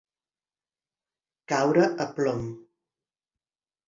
Caure a plom.